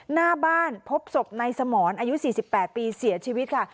หน้าบ้านพบศพในสมอนอายุสี่สิบแปดปีเสียชีวิตค่ะ